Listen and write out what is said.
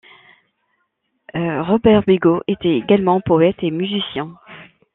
Robert Bigot était également poète et musicien.